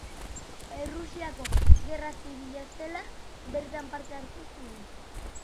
Errusiako Gerra Zibila zela, bertan parte hartu zuen.